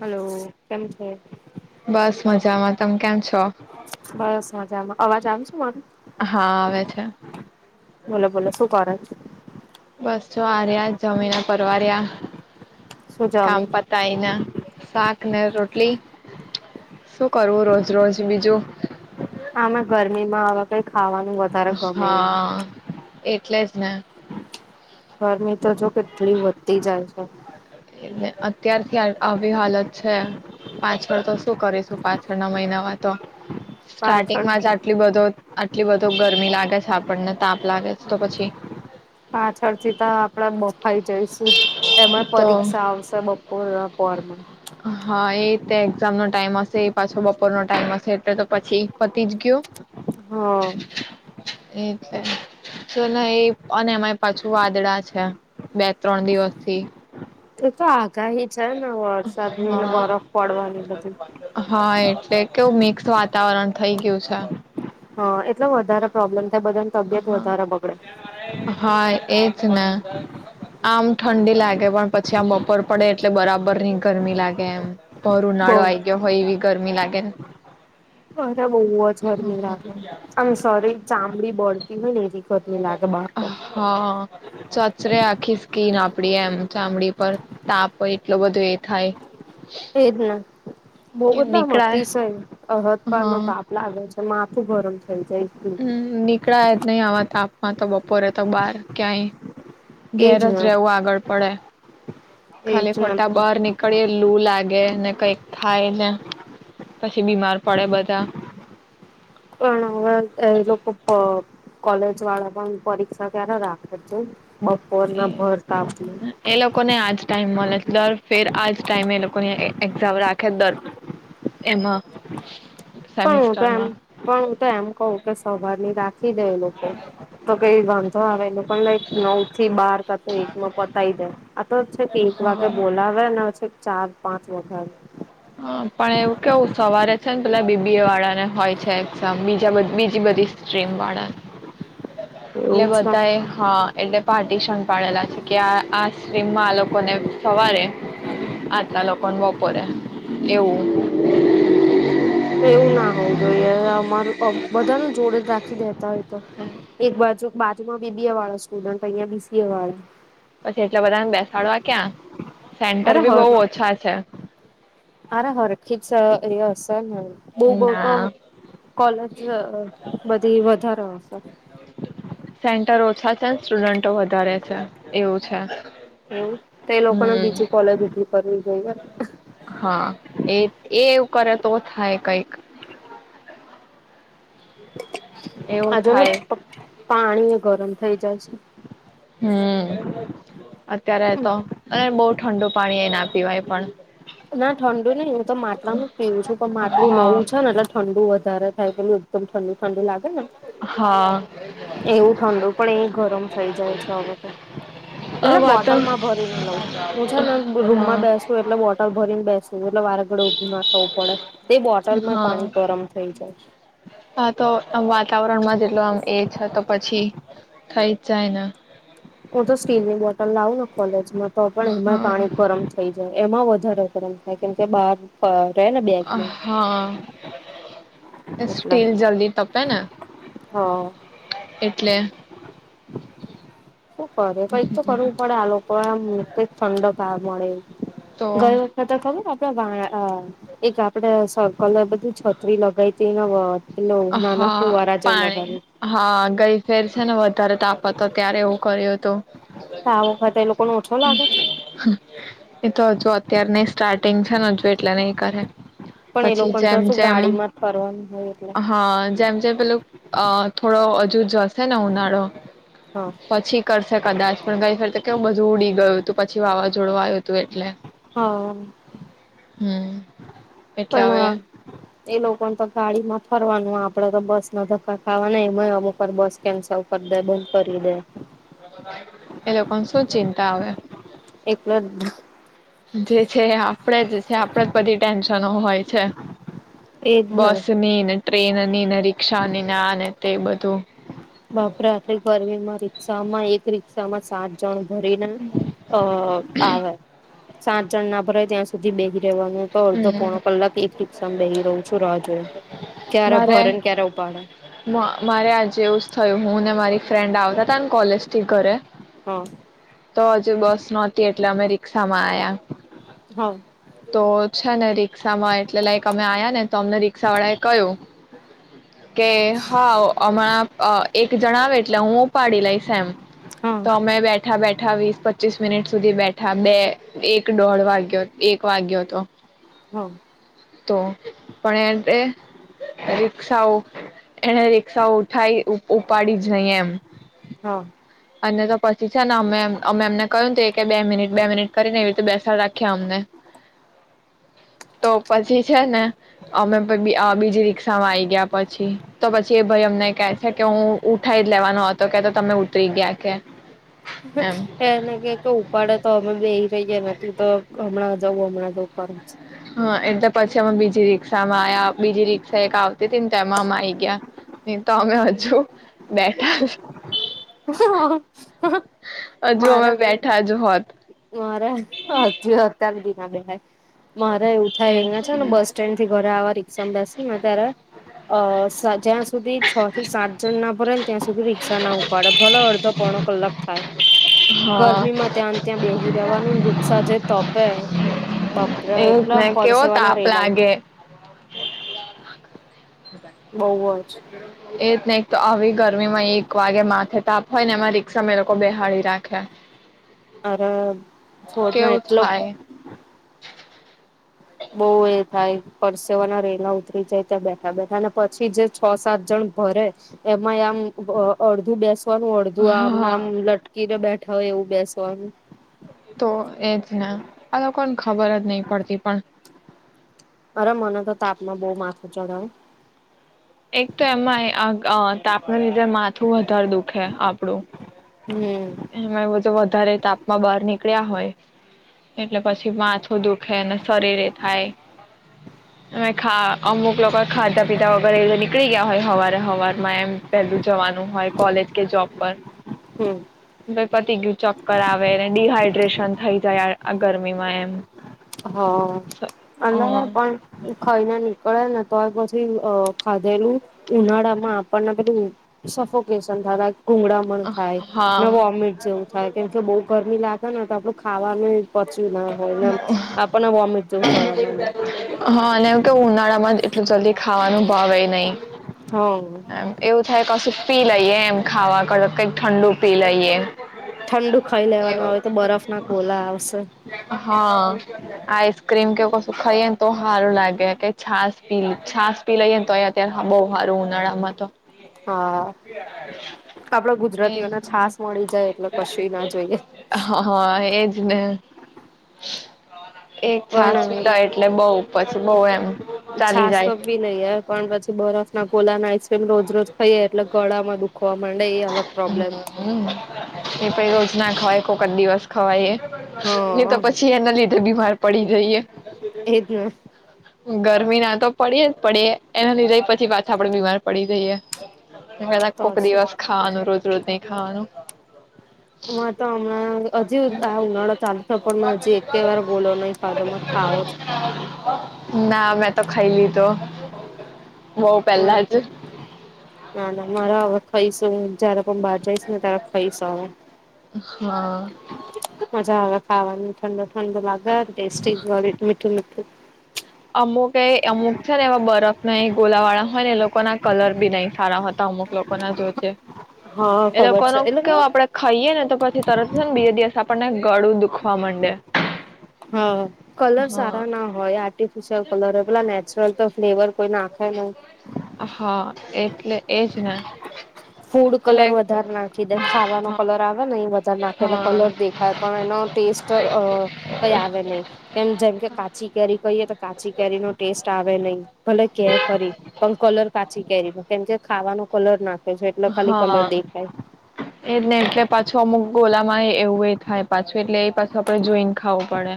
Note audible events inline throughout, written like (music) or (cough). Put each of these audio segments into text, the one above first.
Hello કેમ છે? બસ મજામાં તમે કેમ છો બસ મજામાં અવાજ આવે છે મારો હા આવે છે બોલો બોલો શું કરે છે? બસ જો આ રહ્યા જમીને પરવાર્યા. શું કામ જમી પતાઈને સાત ને રોટલી, શું કરવું રોજ રોજ બીજું. આમાં ગરમીમાં હવે કઈક ખાવાનું વધારે ગમે એમ. હા એટલે જ ને. ગરમી તો જો કેટલી વધતી જાય. (inaudible) એટલે અત્યારથી આવી હાલત છે, પાછળ તો શું કરીશું પાછળના મહિનામાં તો. પાછળ સ્ટાર્ટિંગમાં જ આટલો બધો આટલી વધું ગરમી લાગે છે આપણને તાપ લાગે છે તો પછી. પાછળથી તો આપડે બફાઈ જઈશ. એમાં તો પરીક્ષા આવશે બપોર પણ. હા એ તે એક્ઝામનો ટાઈમ હશે એ પાછો બપોરનો ટાઈમ હશે એટલે તો પછી પતી જ ગયું. હમ. એટલે ચ એ અને અમાંરી પાછું વાદળા છે, બે ત્રણ દિવસથી. એ તો આ કહી છે ને વરસાદની અને હા બરફ પડવાની બધી. હા એટલે કેવું મિક્સ વાતાવરણ થઇ ગયું છે. હ એટલો વધારે પ્રોબ્લેમ થાય બધાને તબિયત હા વધારે બગડે હા એજ ને આમ ઠંડી લાગે પણ પછી આમ બપોર પડે એટલે બરાબર નહ ગરમી લાગે એમ બ બઉ ઉનાળો આવી ગયો હોય એવી ગરમી લાગે લગે અરે બહુ જ ગરમી લાગેમ ઘ ચામડી બળે એમરી ટલી લાગ બાર તો હા ચચરે આખી સ્કીન આપડી એમ ચામડી પર તાપ હો એટલો બધો એ થાય એજ ન બહુ લામ નીકળાય અતિશય અર હદ પાર નો હા તાપ લાગે છે. માથુ ગરમ‌ હમ નીકળા જ નહી આવાજ તાપમાં તો બપોરે તો બાર ક્યાંય એજ ઘેર જ ને રહેવું આગળ પડે એજ ખાલી ને ખોટા બહાર નીકળ્યે લું લાગે ને કઈક થાય ને પછી બીમાર પડે બધા હ પણ હવાર થાય એ લોકો કોલેજ વાળા પણ પરીક્ષા ક્યારે રાખે છે. બપોરના ભર તાપ ટાઇમ મળે દર ફેર આજ ટાઈમે એ લોકોની એક્ઝામ રાખે દર એમાં પણ હું તો એમ સેમિસ્ટરમાં પણ હું તો એમ કહું કે સવાર ની રાખ દે એ લોકો તો કઈ વાંધો આવે એ પણ લક નવ થી બાર કા એક ન પતાય દે આ તો જ છે કે એક વાગે બોલાવેને ઠક ચાર પાંચ ગોઘ હા પણ એવું કેવું સવારે છે ને પેલા બીબી એ વાળા ને હોય છે એક્ઝામ બજા બીજી બધી સ્ટ્રીમ વાળા એવું એટલે જ બધાય હા એટલે પાર્ટિશન પાડેલા છે કે આ આ સ્ટ્રીમમાં આ લોકોને સવારે આટલા લોકોને વપોરે એવું તો એવું ના હોવું જોઈએ અમારું બધા ન જોડે જ રાખી દેતા હોય તો એક બાજુ બાજુમાં બીબીએ વાળા સ્ટુડન્ટ અ બીસીએ વાળા પછી એટલા બધાને બેસાડ વા ક્યાં અરે સેન્ટર બી હર બહુ ઓછા છે. સરે હ બઉ બહુ ના તો કોલેજ બધી વધારે સર સેન્ટરો ઓછા છે સ્ટુડન્ટો વધારે છે એવું છે. એવું તો એ લોકોને હમ બીજું કોલેજ ઉભી કરવી જોઈએ હા એ એ એવું કરે તો થાય કઈક એવું આજોને થાય પાણી એ ગરમ થઈ જાય છે હમ્મ અત્યારે તો અને બહ ઠંડુ પાણી એ ના પીવાય પણ ના ઠંડુ નહી હું તો માટલાનું જ પીવું છું પણ માટલું હા નવું છે ને એટલે ઠંડુ વધ વધારે પેલું એકદમ ઠંડુ ઠંડુ લા હા એવું ઠંડુ પણ એ ગરમ થઈ જાય છે હવે તો આ એટલે વાતા બોટલમાં ભરીને લઉું હું છે ને રૂમમાં હા બેસું એટલે બોટ ભરીને બેસું એટલે વારેગળે ઊભું ના થવું પડે તે બોટલમાં હા પાણી ગરમ થઈ જાય છે. હા તો આ વાતાવરણમાં જેટલો એ છે તો પછી થઈ ચાઈના ઉ તો સ્ટીલની બોટલ લાવ કોલેજ તો પણ એમાં પાણી ગરમ થઈ એમાં વધારે ગરમ થાય કેમ કે બાર હા એટલે સ્ટીલ હ જલ્દી તપ છે ને એટલે શું કરે કંઈક તો કરરવું પડે આ લોકો આમ મુહ પ ઠંડક આવે મળે તો ગયો વખત તો ખબર આપ આપ એક આપડે સકલ બધું છત્રી લગાવતી હા પાણી હા ગઈ ફેર છે ને વધારે તાપ પડતો હતો ત્યારે એવું કર્યો હતુ તો આ વખતે એ લોકો નો ઓછો લાગે છે એ તો હજુ અત્યાર નઈ સ્ટાર્ટિંગ છે ને હજુ એટલે નઈં કરે પણ એ પછી લોકોને તો જેમ શું જેમ ગાડીમાં જ ફરવાનું હોય એટલે હા જેમ જે પેલો અ થોડો હજુ જ શે ને ઉનાળો હા પછી કરશે કદાચ પણ ગઈ ફર તો કેવ બધું ઉડી ગયું હતું પછી વાવાઝોડું આવું હતું એટલે હા હમ. એટલે હવે પણ એ લોકો તો ગાડી માં ફરવાનું આપડે તો બસ ના ધક્કા ખાવા ને એમાં અમુક બસ કેન્સલ કરી દે બંધ કરી દે. એ લોકો શું ચિંતા આવે? એટલો જે છે આપણેે જે છે આપણેે જ બધી ટેન્શનો હોય છે. એજ ને બસનીન ટ્રેન ની ને રી્ષાની આને તે બધું. બાપરે આટલી ગરમ માં રિક્ષામાં એક રિક્ષામાં સાત જણ રી અ આવે. સાત જણ ના ભરેય ત્યાં સુધી બે રહેવાનું તો અડધો પોણ હમ કલાક એક સમ બેહી રહું છું રા જો મારે, મારે આજે એ થયું હું ને મારી ફ્રેન્ડ આવતા હતા ને કોલેજ થી ઘરે. હ. તો હજુ બસ નહોતી એટલે અમે રિક્ષા માં આયા. હમ્મ. તો અચ્છા ને રીક્ષા માં એટલે લાઈક અમે આવ્યા ને તો અમને રીક્ષા વાળા એ કહ્યું, કે હા હમણાં એક જણાવ એટલે હું ઉપાડી લઈક એમ, હા તો અમે બેઠાં બેઠાં વીસ પચીસ મિનિટ સુધી બેઠા બે એક દોઢ વાગ્યો એક વાગ્યો હતો. હા તો પણ એ સાવો એને રિક્ષા ઉઠાઈ ઉપાડી નઈ એમ, હા અને તો પછી છે ને અમે એમ અમે અમને કહ ત કે બે મિનિટ બે મિનિટ કરીને એવી રીતે બેસાડ રાખ્યા અમને, તો પછી છે, ને અમે બીજી રિકષામાં આવીઈ ગયા પછી તો પછી એ ભાઈ અમને કે છે કે હું ઉઠાઈ જ લેવાનો હતો કે તો તમે ઉતરી ગયા કે. એમ એને કે કે ઉપાડે તો અમે બેહી રહીએ નથી તો હમણાં જવુ અમના જરાક વારમાં. હા એટલે પછી અમે બીજી રિક્ષામાં આ બીજી રિક્ષા એક આવતી હતી ને તેમાં અમ આવી ગયા, ન તો અમે હજુ બેઠા હજુ મારા અમે બેઠા જ હોત (unintelligible) મારે હજ અત્ય્યારે બી ના બેહાય. મારે એવું થાય અિયાયા છે ને બસ સ્ટેન્ડ થી ઘરે આવા રી્ષામાં બેસી ત્યારે, અ જ્યાં સુધી છ થી સાત જણ ના ભરે ને ત્યાં સુધી રી્ષા ના ઉપાડે ભલો અડધો પોણ કલાક થાય, હા ગરમીમાં ત્યાં ત બેહી રવાનું રિક્ષા જે તપે બપરા એજ એટલામ ને કેવો પરસેવા ના તાપ રેલા હ (inaudible) લાગે બહ જ. એ જ ને એક તો આવી ગરમી માં એક એક વાગે માથે તાપ હોય ને એમાં રિક્ષામાં લોકો બેહાળી રાખે આરા છોડ નો કેવું એટલો થાય બઉ એ થાય પરસેવાના રેલા ઉતરી જાય ત્યાં બેઠા બેઠા અને પછી જે છ સાત જણ ભરે એમાં આમ અડધું બેસ વાનું અડધું આમને હા આમ લટકી ને બે હવે એવું બેસવાનું તો એજ ને આ લોકોને ખબર જ નહી પડતી પણ જડાાવ એક તો એમાં તાપ લીધે માથું વધારે દુખે આપડું હમ એમાં વધારે તાપમાં બહાર નીકળે હોય એટલે પછી માથું દુખે શરીરે થાય અનેા અમુક લોકો ખાધા પીધા નીકળી ગયા હોય હવા હવા માં એમ પેલું જવાનું હોય કોલેજ કે જબ પર હમ ભાઈ પતી ગયું ચક્કર આવેને ડડીહાઈડ્રેશન થઇ જાય આ ગરમીમાં એમ હ અ પણ ખઈને નીકળ્યા નથી તો પછી ખાધેલું ઉનાળા માં આપણને પેલું સફોકેશન થ કુંગળામણ થાય ને હા વોમિટ જેવું થાય કેમ કે બઉુ ગરમી લાગે ને તો આપડું ખાવાનું પચ્યું ના હોય આપણને વોમિટ હા જેવું થવા માંડે અને એવું કે ઉનાળા માં જ એટલું જલ્દી ખાવાનું ભાવ એ નહીિ હા એમ એવું થાય કશું ફીલ આવીઈએ એમ ખાવા કરડ કઈ ઠંડુ પી લઈએ ઠંડુ ખાઈ લેવાનું હવે તો બરફ ના ગોલા આવશે હા આઈસ્ક્રીમ કે ું ખાઈએ ને તો સારું લાગે કે છાસ પી છાસ પી લઈએને તો અ અત બહ સારું ઉનાળામાં તો હા આપડ એજ ગુજરાતીઓને છાસ મળી જાય એટલે કશું ના જોઈએ એજને એક પણ છાસવીધા એટલે બઉુ પછી બહુ એમ ચાલી છાસ જાય બી નહી હ પણ પછી બરફ ના કોલા ના તેમ રોજ રોજ ખઈએ એટલે ગળામાં દુખ જોવા માંડે એ અલગ પ્રોબ્લેમ હમ એ પણ રોજ ના ખવાય કોક જ દિવસ ખવાય એ એ હા તો પછી એના લીધે બીમાર પડી જઈએ એજ ને ગરમી ના તો પડી એ જ પડે એ એના લીધઈ પછ થી પાછા આપડે બીમાર પડી જઈએ. એના તો કોક શું દિવસ ખાવાનું રોજ રોજ નહી ખાવાનું માં તો હમણાં હજી આ ઉનાળો ચાલુ થયો પણ મેં હજી એકે વાર ગોલો નહી ખાધો મારે ખાવો જ ના મેં તો ખાઈ લી તો હ ના ના મારો આવક પૈસો જયારે પણ બહાર જઈશ ને તારે ખઈશ અવે હા મજા આવે ખાવાની ઠંડ ઠંડ ઠંડ લાગ ટેસ્ટી વરી મીઠું મીઠું (inaudible) અમુક એ અમુક છે ને એવા બરફ ને ગોલા વાળા હોય ને એ લોકો ના કલર બી નય સારા હતા અમુક લોકો ના જો છે. હા એ ખબર લોકોનો છે કેવો એટલે આપડે ખાઈએે ને તો પછી તરત છે ને બીજા દિવસ આપ આપણને ગળું દુખવા માંડે હા કલર હા સારા ના હોય આર્ટી ફિશિયલ કલર પેલા ને નેચરલ તો ફ્લેવર કોઈ નાખે નહી. હા એટલે એજ તના ફૂડ કલર વધારે નાખી દે ખાવાનો હા કલર આવે ને એ વધારે નાખે એટલે હા કલર દેખાય પણ એનો ટેસ્ટ કઈ આવે નહીિ કેમ જેમ કે કાચી કેરી કહીએ તો કાચી કેરીનોો ટેસ્ટ આવે હ નહી ભલે કે ફરી પણ કલર કાચી કેરી કેમ કે ખાવાનો કલર નાખ હા એજ નહી એટલે પાછું અમુક ગોલામાં એવું એ થાય પાછું એટલે એ પાછું આપડે જોઈને ખાવું પડે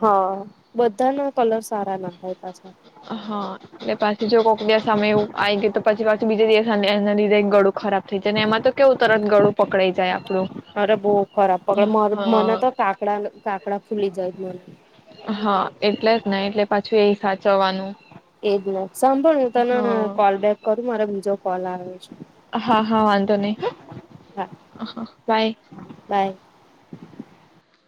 હા બધા ના કલર સારા નાખાયછ હા એટલે પછી જો કોક દિવ સમય એવું આવી ગયું તો પછી પછી બીજા દિવસ અને એના લીધે ગળું ખરાબ થઈ જાય ને એમાં તો કેવું તરત ગળું પકડાઈ જાય આપણું. અરે બહ ખરાબ પગડ મને હા. તો કાકડા કાકડા ફૂલી જાય જ મને હા એટલે જ ન એટલે પાછું એ સાચવવાનું એજ નથી સાંભળ્યું હું તને હા. કોલ બેક કરું મારે બીજો કલ ર છે હા હા વાંધો નહી હ હા હા બાય બાય